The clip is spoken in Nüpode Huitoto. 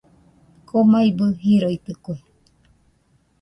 Komaibɨ riroitɨkue.